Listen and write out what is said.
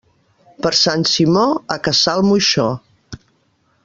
Per Sant Simó, a caçar el moixó.